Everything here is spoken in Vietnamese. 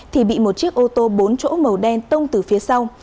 thì bị một chiếc ô tô bốn chỗ màu đen tông từ phía sau